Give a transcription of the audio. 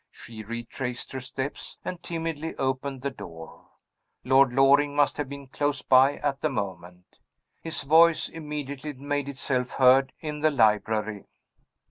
She retraced her steps, and timidly opened the door. Lord Loring must have been close by at the moment. His voice immediately made itself heard in the library.